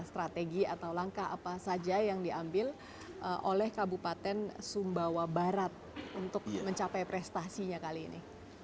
strategi atau langkah apa saja yang diambil oleh kabupaten sumbawa barat untuk mencapai prestasinya kali ini